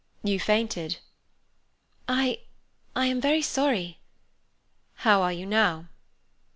"You fainted." "I—I am very sorry." "How are you now?"